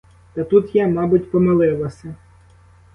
Та тут я, мабуть, помилилася.